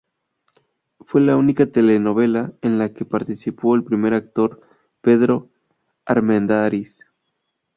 Fue la última telenovela en la que participó el primer actor Pedro Armendáriz Jr.